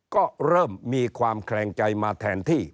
ก็เริ่มมีความแคลงใจมาแทนที่